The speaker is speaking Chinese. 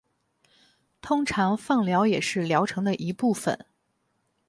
通常放疗也是疗程的一部分。